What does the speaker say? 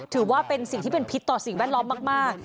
ถือว่าเป็นสิ่งที่เป็นพิษต่อสิ่งแวดล้อมมาก